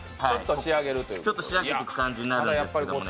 仕上げていく感じになるんですけれどもね。